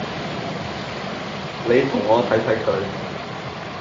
你同我睇睇佢